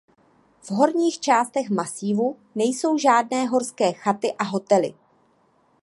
V horních částech masívu nejsou žádné horské chaty a hotely.